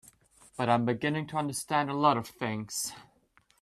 But I'm beginning to understand a lot of things.